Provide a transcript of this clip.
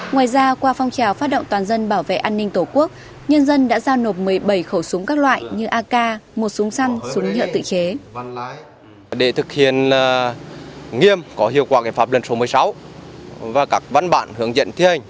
ngoài ra qua phong trào phát động toàn dân bảo vệ an ninh tổ quốc nhân dân đã giao nộp một mươi bảy khẩu súng các loại như ak một súng săn súng nhựa tự chế